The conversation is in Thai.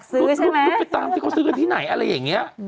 คือฉันอาจจะนั่งลูกลูกไปตามที่เขาซื้อกันที่ไหนอะไรแบบนี้